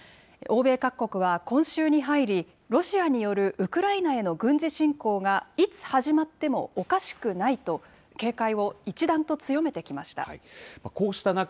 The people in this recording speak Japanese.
欧米各国は今週に入り、ロシアによるウクライナへの軍事侵攻がいつ始まってもおかしくないと、警戒を一段と強めてきました。